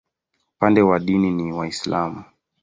Upande wa dini ni Waislamu.